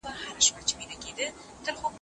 استازي د مظلومانو د دفاع لپاره څه لیکي؟